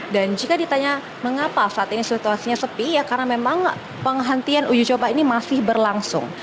dan jika ditanya mengapa saat ini situasinya sepi ya karena memang penghentian uji coba ini masih berlangsung